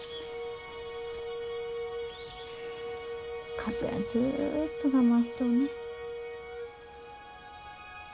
和枝はずっと我慢しとうね。